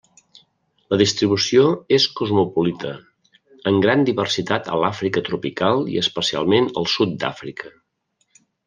La distribució és cosmopolita, amb gran diversitat a l'Àfrica tropical i especialment al sud d'Àfrica.